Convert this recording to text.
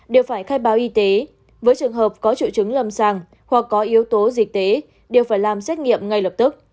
đều phải khai báo y tế với trường hợp có triệu chứng lầm sàng hoặc có yếu tố dịch tế đều phải làm xét nghiệm ngay lập tức